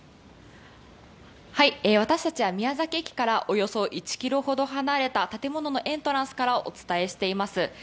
私たちは宮崎駅からおよそ１ｋｍほど離れた建物のエントランスからお伝えしています。